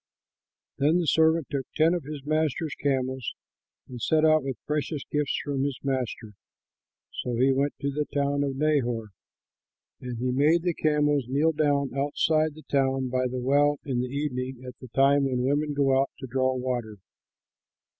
Then the servant took ten of his master's camels and set out with precious gifts from his master. So he went to the town of Nahor. And he made the camels kneel down outside the town by the well in the evening, at the time when women go out to draw water.